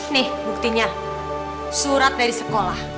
nih buktinya surat dari sekolah